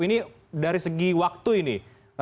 ini dari segi waktu ini